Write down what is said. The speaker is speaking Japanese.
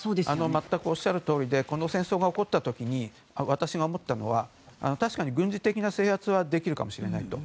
全くおっしゃるとおりでこの戦争が起こった時に私が思ったのは確かに軍事的な制圧はできるかもしれないと。